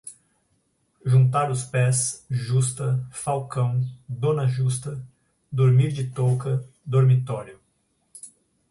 juntar os pés, justa, falcão, dona justa, dormir de touca, dormitório